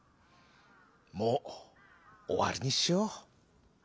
もうおわりにしよう」。